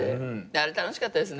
あれ楽しかったですね。